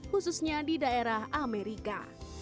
khususnya di daerah amerika